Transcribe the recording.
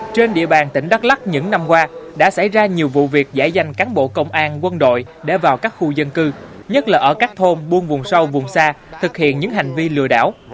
trên địa bàn tỉnh đắk lắc những năm qua đã xảy ra nhiều vụ việc giải danh cán bộ công an quân đội để vào các khu dân cư nhất là ở các thôn buôn vùng sâu vùng xa thực hiện những hành vi lừa đảo